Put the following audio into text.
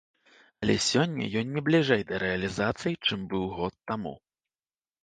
Але сёння ён не бліжэй да рэалізацыі, чым быў год таму.